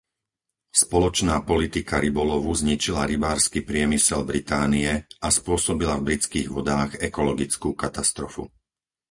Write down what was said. Spoločná politika rybolovu zničila rybársky priemysel Británie a spôsobila v britských vodách ekologickú katastrofu.